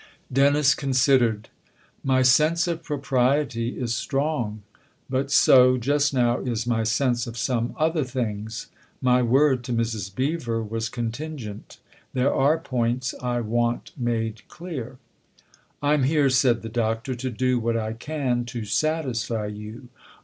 Dennis considered. " My sense of propriety is strong ; but so just now is my sense of some other things. My word to Mrs. Bccver was con tingent. There are points /want made clear." " I'm here," said the Doctor, " to do what I can to satisfy you.